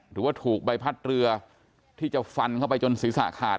หรือว่าถูกใบพัดเรือที่จะฟันเข้าไปจนศีรษะขาด